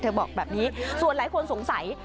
บอกแบบนี้ส่วนหลายคนสงสัย